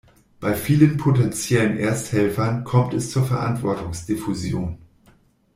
Bei vielen potenziellen Ersthelfern kommt es zur Verantwortungsdiffusion.